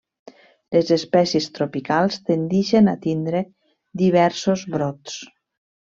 Les espècies tropicals tendixen a tindre diversos brots.